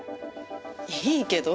いいけど。